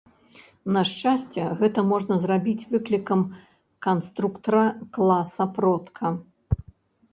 На шчасце, гэта можна зрабіць выклікам канструктара класа-продка.